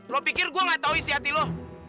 lu pikir gue gak tau isi hati lu